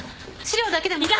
資料だけでも。